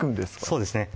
そうですね